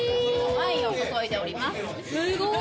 ワインを注いでおります。